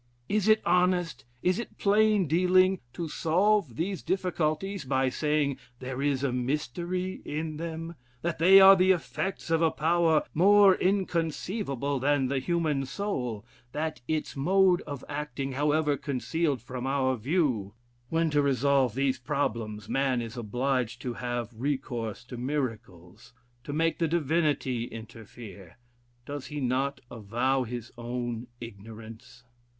Is it honest, is it plain dealing, to solve these difficulties, by saying there is a mystery in them, that they are the effects of a power more inconceivable than the human soul, than its mode of acting, however concealed from our view? When to resolve these problems, man is obliged to have recourse to miracles, to make the Divinity interfere, does he not avow his own ignorance?